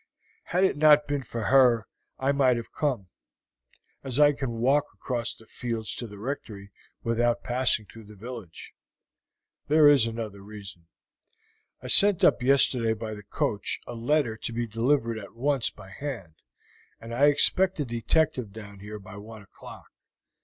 Had it not been for that I might have come, as I can walk across the fields to the Rectory without passing through the village. There is another reason. I sent up yesterday by the coach a letter to be delivered at once by hand, and I expect a detective down here by one o'clock.